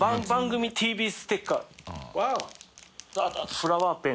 フラワーペン